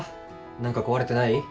何か壊れてない？